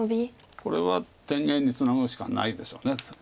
これは天元にツナぐしかないでしょう。